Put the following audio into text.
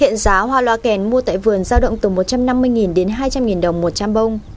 hiện giá hoa loa kèn mua tại vườn giao động từ một trăm năm mươi đến hai trăm linh đồng một trăm linh bông